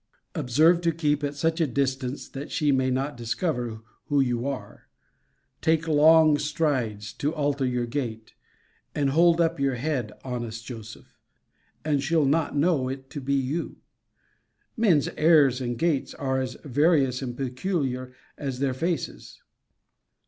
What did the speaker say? Observe to keep at such a distance that she may not discover who you are. Take long strides, to alter your gait; and hold up your head, honest Joseph; and she'll not know it to be you. Men's airs and gaits are as various and peculiar as their faces.